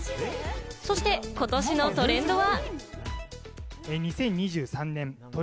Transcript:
そしてことしのトレンドは？